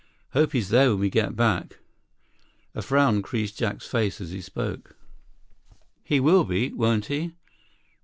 "Hope he's there when we get back." A frown creased Jack's face as he spoke. "He will be, won't he?